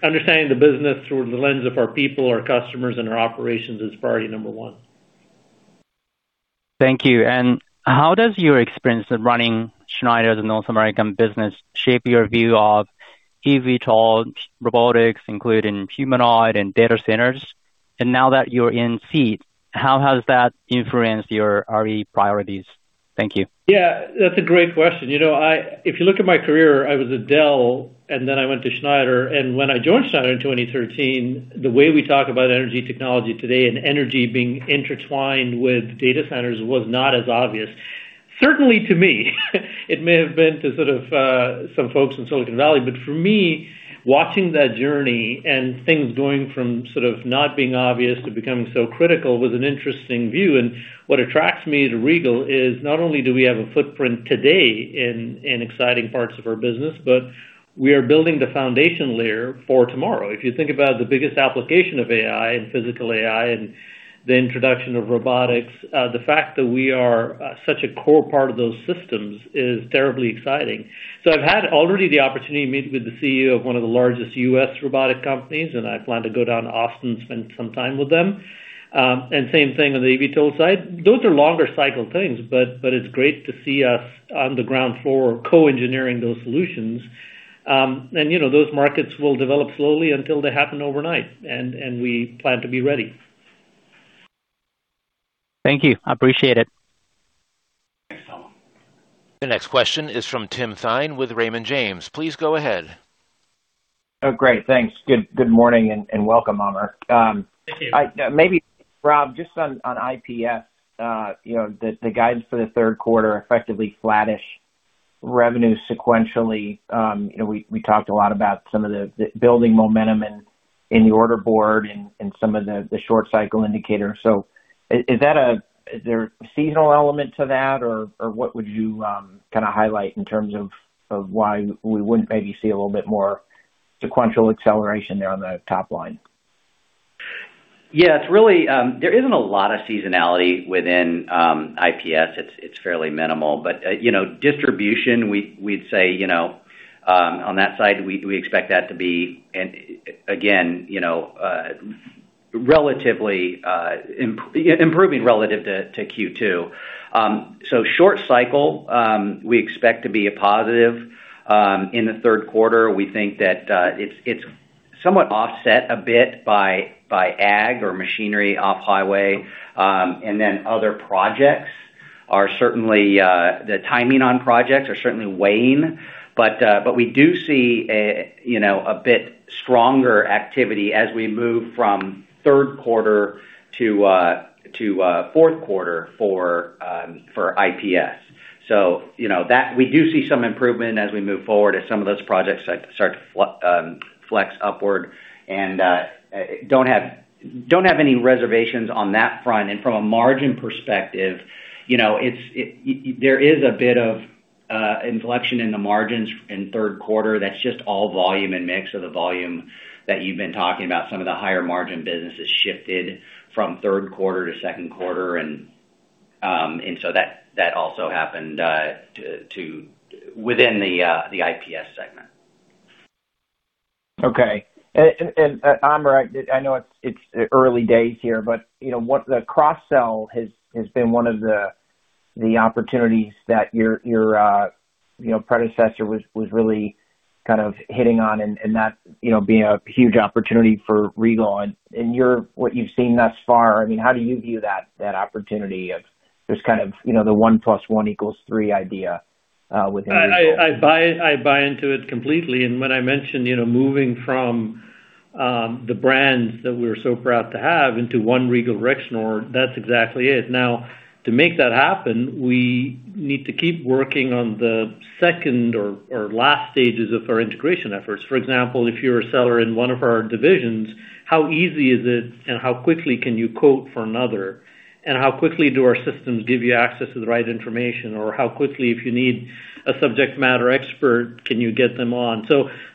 Speaker 3: Understanding the business through the lens of our people, our customers, and our operations is priority number one.
Speaker 9: Thank you. How does your experience of running Schneider's North American business shape your view of eVTOL robotics, including humanoid and data centers? Now that you're in seat, how has that influenced your Regal priorities? Thank you.
Speaker 3: Yeah, that's a great question. If you look at my career, I was at Dell, then I went to Schneider, when I joined Schneider in 2013, the way we talk about energy technology today and energy being intertwined with data centers was not as obvious, certainly to me. It may have been to sort of some folks in Silicon Valley, but for me, watching that journey and things going from sort of not being obvious to becoming so critical was an interesting view. What attracts me to Regal is not only do we have a footprint today in exciting parts of our business, but we are building the foundation layer for tomorrow. If you think about the biggest application of AI and physical AI and the introduction of robotics, the fact that we are such a core part of those systems is terribly exciting. I've had already the opportunity to meet with the CEO of one of the largest U.S. robotic companies, and I plan to go down to Austin and spend some time with them. Same thing on the eVTOL side. Those are longer cycle things, but it's great to see us on the ground floor co-engineering those solutions. Those markets will develop slowly until they happen overnight, and we plan to be ready.
Speaker 9: Thank you. I appreciate it.
Speaker 3: Thanks, Tom.
Speaker 1: The next question is from Tim Thein with Raymond James. Please go ahead.
Speaker 10: Oh, great. Thanks. Good morning, and welcome, Aamir.
Speaker 3: Thank you.
Speaker 10: Maybe Rob, just on IPS. The guidance for the third quarter, effectively flattish revenue sequentially. We talked a lot about some of the building momentum and in the order board and some of the short cycle indicators. Is there a seasonal element to that, or what would you highlight in terms of why we wouldn't maybe see a little bit more sequential acceleration there on the top line?
Speaker 4: Yeah, there isn't a lot of seasonality within IPS. It's fairly minimal. Distribution, we'd say on that side, we expect that to be, again, improving relative to Q2. Short cycle, we expect to be a positive in the third quarter. We think that it's somewhat offset a bit by ag or machinery off-highway. Other projects, the timing on projects are certainly wane. We do see a bit stronger activity as we move from third quarter to fourth quarter for IPS. We do see some improvement as we move forward as some of those projects start to flex upward, and don't have any reservations on that front. From a margin perspective, there is a bit of inflection in the margins in third quarter. That's just all volume and mix of the volume that you've been talking about. Some of the higher margin businesses shifted from third quarter to second quarter. That also happened within the IPS segment.
Speaker 10: Okay. Aamir, I know it's early days here, but the cross-sell has been one of the opportunities that your predecessor was really hitting on, and that being a huge opportunity for Regal. In what you've seen thus far, how do you view that opportunity of this kind of the 1+1=3 idea within Regal?
Speaker 3: I buy into it completely. When I mentioned moving from the brands that we're so proud to have into one Regal Rexnord, that's exactly it. Now, to make that happen, we need to keep working on the second or last stages of our integration efforts. For example, if you're a seller in one of our divisions, how easy is it, and how quickly can you quote for another? How quickly do our systems give you access to the right information? How quickly, if you need a subject matter expert, can you get them on?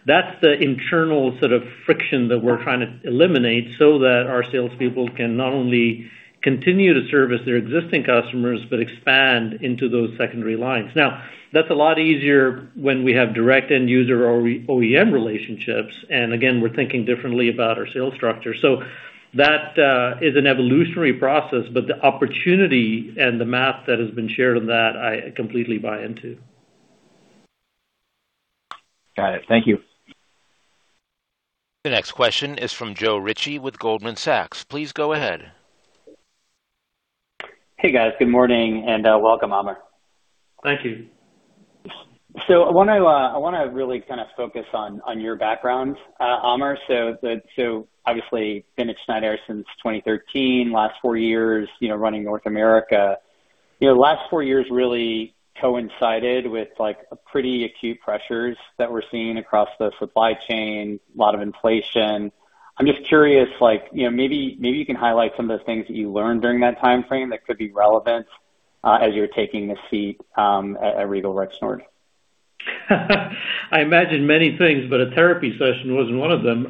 Speaker 3: That's the internal sort of friction that we're trying to eliminate so that our salespeople can not only continue to service their existing customers, but expand into those secondary lines. Now, that's a lot easier when we have direct end user or OEM relationships. Again, we're thinking differently about our sales structure. That is an evolutionary process, but the opportunity and the math that has been shared on that, I completely buy into.
Speaker 10: Got it. Thank you.
Speaker 1: The next question is from Joe Ritchie with Goldman Sachs. Please go ahead.
Speaker 11: Hey, guys. Good morning, and welcome, Aamir.
Speaker 3: Thank you.
Speaker 11: I want to really kind of focus on your background, Aamir. Obviously, been at Schneider since 2013, last four years running North America. Last four years really coincided with pretty acute pressures that we're seeing across the supply chain, lot of inflation. I'm just curious, maybe you can highlight some of the things that you learned during that timeframe that could be relevant as you're taking the seat at Regal Rexnord.
Speaker 3: I imagine many things, but a therapy session wasn't one of them.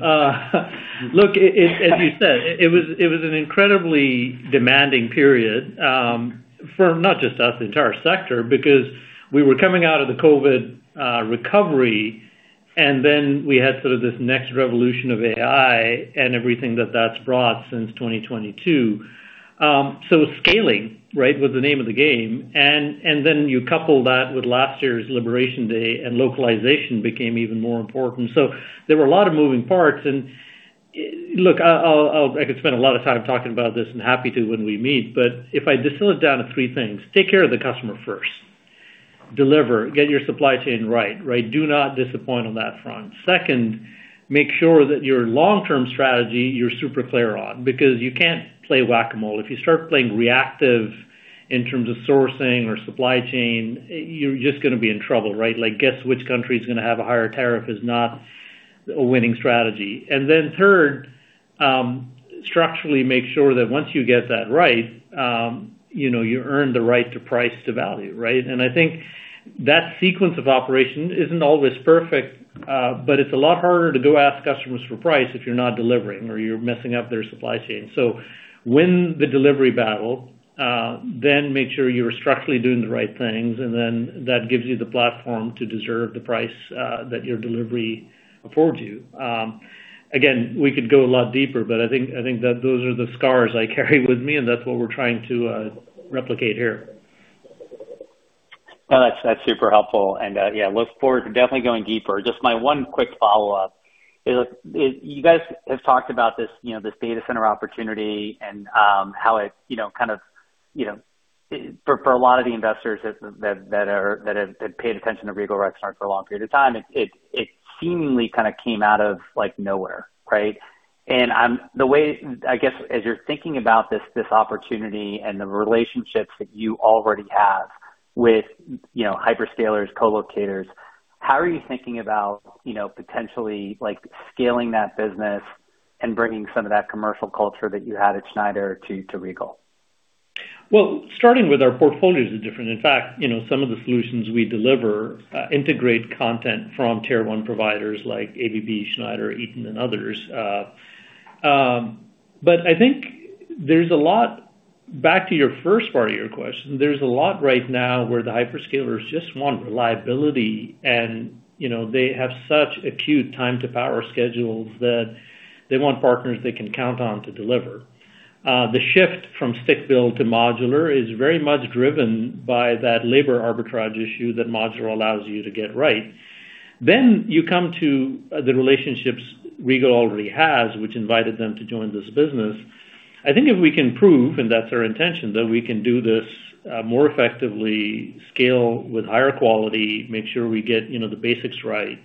Speaker 3: Look, as you said, it was an incredibly demanding period for not just us, the entire sector, because we were coming out of the COVID recovery, then we had sort of this next revolution of AI and everything that that's brought since 2022. Scaling was the name of the game. You couple that with last year's liberation day and localization became even more important. There were a lot of moving parts. Look, I could spend a lot of time talking about this, and happy to when we meet, but if I distill it down to three things. Take care of the customer first. Deliver, get your supply chain right. Do not disappoint on that front. Second, make sure that your long-term strategy, you're super clear on, because you can't play whac-a-mole. If you start playing reactive in terms of sourcing or supply chain, you're just going to be in trouble, right? Guess which country is going to have a higher tariff is not a winning strategy. Third, structurally make sure that once you get that right, you earn the right to price to value. I think that sequence of operation isn't always perfect, but it's a lot harder to go ask customers for price if you're not delivering or you're messing up their supply chain. Win the delivery battle, make sure you're structurally doing the right things, that gives you the platform to deserve the price that your delivery affords you. Again, we could go a lot deeper, but I think those are the scars I carry with me, and that's what we're trying to replicate here.
Speaker 11: No, that's super helpful. Yeah, look forward to definitely going deeper. Just my one quick follow-up. You guys have talked about this data center opportunity and how for a lot of the investors that have paid attention to Regal Rexnord for a long period of time, it seemingly kind of came out of nowhere, right? I guess, as you're thinking about this opportunity and the relationships that you already have With hyperscalers, colocators, how are you thinking about potentially scaling that business and bringing some of that commercial culture that you had at Schneider to Regal?
Speaker 3: Starting with our portfolios are different. In fact, some of the solutions we deliver integrate content from Tier 1 providers like ABB, Schneider, Eaton, and others. I think back to your first part of your question, there's a lot right now where the hyperscalers just want reliability and they have such acute time-to-power schedules that they want partners they can count on to deliver. The shift from stick-build to modular is very much driven by that labor arbitrage issue that modular allows you to get right. You come to the relationships Regal already has, which invited them to join this business. I think if we can prove, and that's our intention, that we can do this more effectively, scale with higher quality, make sure we get the basics right,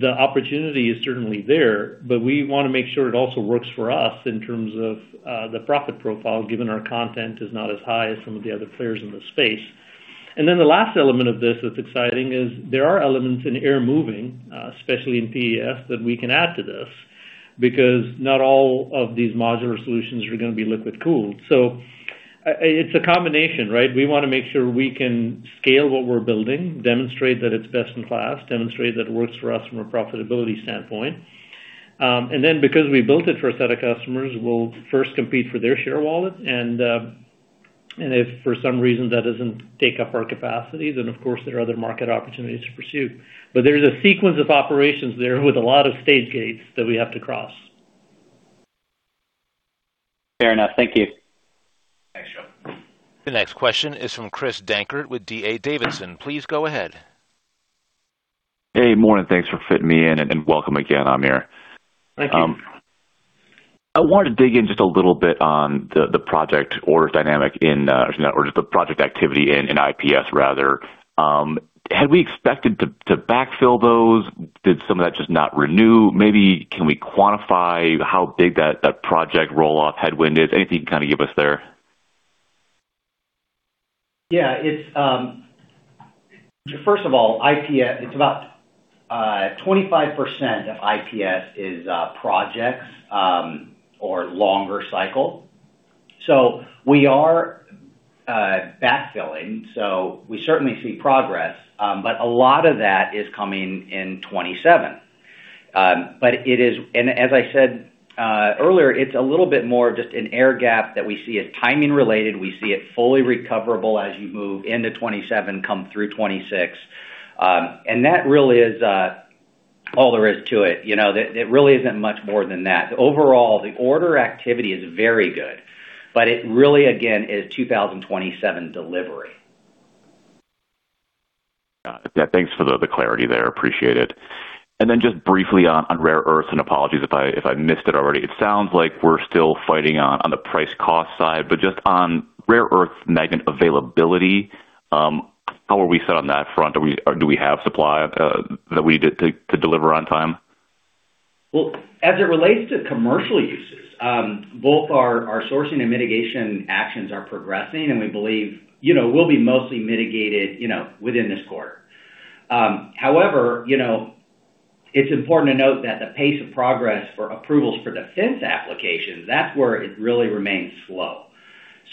Speaker 3: the opportunity is certainly there. We want to make sure it also works for us in terms of the profit profile, given our content is not as high as some of the other players in the space. The last element of this that's exciting is there are elements in air moving, especially in PES, that we can add to this, because not all of these modular solutions are going to be liquid-cooled. It's a combination, right? We want to make sure we can scale what we're building, demonstrate that it's best in class, demonstrate that it works for us from a profitability standpoint. Because we built it for a set of customers, we'll first compete for their share wallet and, if for some reason that doesn't take up our capacity, of course, there are other market opportunities to pursue. There's a sequence of operations there with a lot of stage gates that we have to cross.
Speaker 11: Fair enough. Thank you.
Speaker 3: Thanks, Joe.
Speaker 1: The next question is from Chris Dankert with D.A. Davidson. Please go ahead.
Speaker 12: Hey, morning. Thanks for fitting me in, and welcome again, Aamir.
Speaker 3: Thank you.
Speaker 12: I wanted to dig in just a little bit on the project orders dynamic in, or just the project activity in IPS, rather. Had we expected to backfill those? Did some of that just not renew? Maybe can we quantify how big that project roll-off headwind is? Anything you can give us there?
Speaker 4: First of all, it's about 25% of IPS is projects or longer cycle. We are backfilling. We certainly see progress, but a lot of that is coming in 2027. As I said earlier, it's a little bit more of just an air gap that we see as timing related. We see it fully recoverable as you move into 2027, come through 2026. That really is all there is to it. It really isn't much more than that. Overall, the order activity is very good, it really, again, is 2027 delivery.
Speaker 12: Got it. Thanks for the clarity there. Appreciate it. Just briefly on rare earths, and apologies if I missed it already. It sounds like we're still fighting on the price cost side, but just on rare earth magnet availability, how are we set on that front? Do we have supply that we need to deliver on time?
Speaker 4: As it relates to commercial uses, both our sourcing and mitigation actions are progressing, and we believe we'll be mostly mitigated within this quarter. However, it's important to note that the pace of progress for approvals for defense applications, that's where it really remains slow.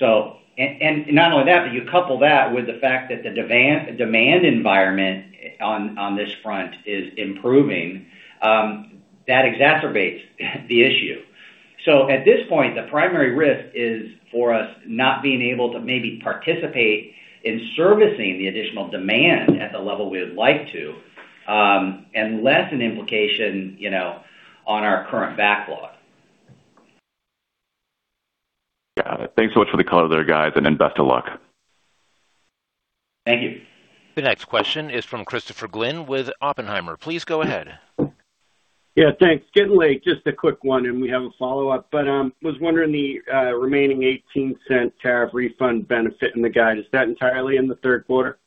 Speaker 4: Not only that, but you couple that with the fact that the demand environment on this front is improving. That exacerbates the issue. At this point, the primary risk is for us not being able to maybe participate in servicing the additional demand at the level we would like to, and less an implication on our current backlog.
Speaker 12: Got it. Thanks so much for the color there, guys, and then best of luck.
Speaker 4: Thank you.
Speaker 1: The next question is from Christopher Glynn with Oppenheimer. Please go ahead.
Speaker 13: Thanks. Getting late. Just a quick one, and we have a follow-up. Was wondering the remaining $0.18 tariff refund benefit in the guidance, is that entirely in the third quarter?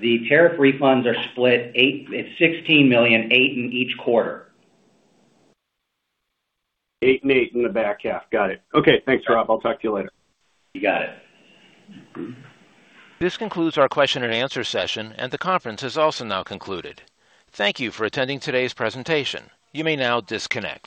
Speaker 4: The tariff refunds are split, it's $16 million, $8 million in each quarter.
Speaker 13: $8 million and $8 million in the back half. Got it. Okay, thanks, Rob. I'll talk to you later.
Speaker 4: You got it.
Speaker 1: This concludes our question and answer session. The conference has also now concluded. Thank you for attending today's presentation. You may now disconnect.